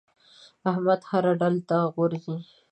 احمد هر ډاله ته غورځي.